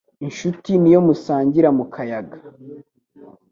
Inshuti ni iyo musangira mukayaga